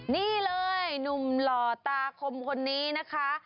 นี่เลยหนุ่มหล่อตาคมคนนี้นะคะ